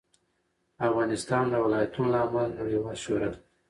افغانستان د ولایتونو له امله نړیوال شهرت لري.